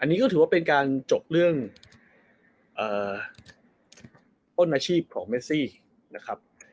อันนี้ก็ถือว่าเป็นการจบเรื่องต้นอาชีพของเมซี่นะครับ